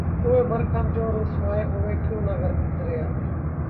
ہوئے مر کے ہم جو رسوا ہوئے کیوں نہ غرقِ دریا